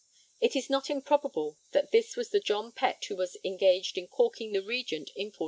It is not improbable that this was the John Pett who was engaged in caulking the Regent in 1499.